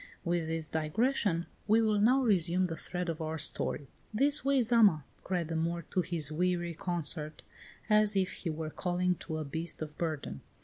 With this digression we will now resume the thread of our story. "This way, Zama!" cried the Moor to his weary consort, as if he were calling to a beast of burden.